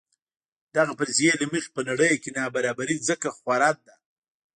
دغې فرضیې له مخې په نړۍ کې نابرابري ځکه خوره ده.